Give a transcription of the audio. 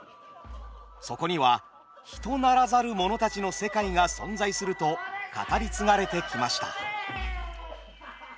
そこには人ならざる者たちの世界が存在すると語り継がれてきました。